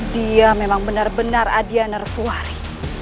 dia memang benar benar adianer suari